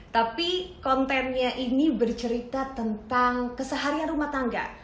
tapi kontennya ini bercerita tentang keseharian rumah tangga